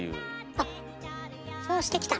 あっそうしてきたの？